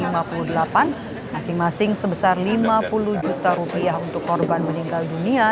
masing masing sebesar lima puluh juta rupiah untuk korban meninggal dunia